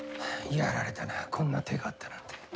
やられたなこんな手があったなんて。